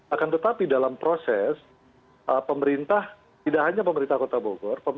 akan tetapi dalam proses pemerintah tidak hanya pemerintah kota bogor